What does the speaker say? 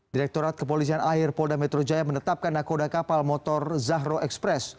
direkturat kepolisian air polda metro jaya menetapkan nakoda kapal motor zahro express